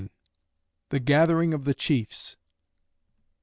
THE GATHERING OF THE CHIEFS.